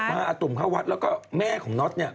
พออาตุ่มภาวะแล้วก็แม่ของน๊อตเนี่ย